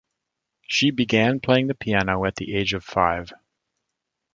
She began playing the piano at the age of five.